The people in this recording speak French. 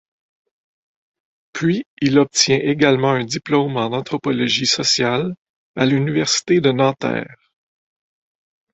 Puis il obtient également un diplôme en anthropologie sociale à l’Université de Nanterre.